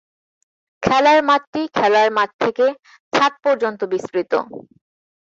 খেলার মাঠটি খেলার মাঠ থেকে ছাদ পর্যন্ত বিস্তৃত।